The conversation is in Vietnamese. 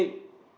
về các hình sự